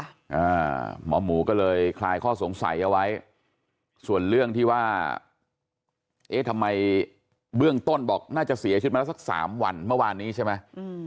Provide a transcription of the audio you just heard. อ่าหมอหมูก็เลยคลายข้อสงสัยเอาไว้ส่วนเรื่องที่ว่าเอ๊ะทำไมเบื้องต้นบอกน่าจะเสียชีวิตมาแล้วสักสามวันเมื่อวานนี้ใช่ไหมอืม